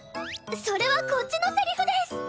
それはこっちのセリフです！